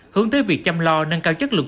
hướng tới việc chăm lo nâng cao chất lượng